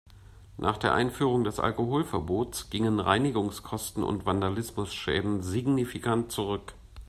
Nach der Einführung des Alkoholverbots gingen Reinigungskosten und Vandalismusschäden signifikant zurück.